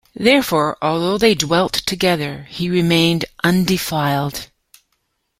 Therefore, although they dwelt together, he remained 'undefiled'.